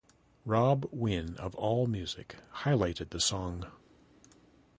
Rob Wynn of Allmusic highlighted the song.